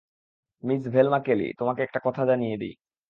Miss Velma Kelly, তোমাকে একটা কথা জানিয়ে দেই।